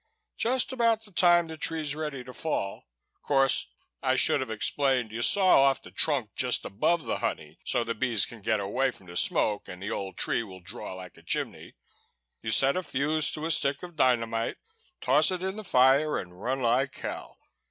Just about the time the tree's ready to fall course, I should have explained you saw off the trunk just above the honey so the bees can get away from the smoke and the old tree will draw like a chimney you set a fuse to a stick of dynamite, toss it in the fire and run like hell.